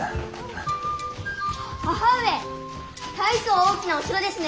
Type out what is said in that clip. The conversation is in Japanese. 母上大層大きなお城ですね！